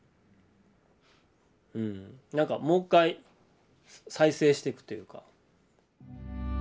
うんなんかもう一回再生してくというか。